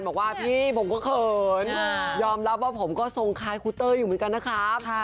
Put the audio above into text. บอกว่าพี่ผมก็เขินยอมรับว่าผมก็ทรงคล้ายครูเต้ยอยู่เหมือนกันนะครับ